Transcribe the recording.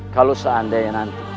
kalau seandainya nanti